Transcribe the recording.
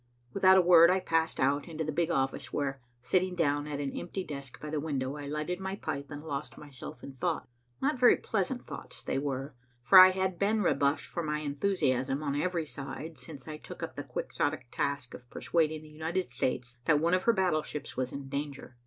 Without a word, I passed out into the big office where, sitting down at an empty desk by the window, I lighted my pipe and lost myself in thought. Not very pleasant thoughts they were, for I had been rebuffed for my enthusiasm on every side, since I took up the quixotic task of persuading the United States that one of her battleships was in danger.